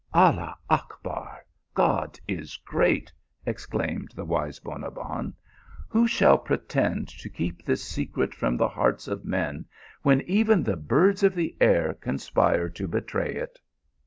"Allah Achbar ! God is great !" ex claimed the wise Bonabbon. " Who shall pretend to keep this secret from the hearts of men when even the birds of the air conspire to betray it